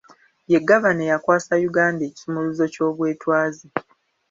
Ye Gavana eyakwasa Uganda ekisumuluzo ky'obwetwaze.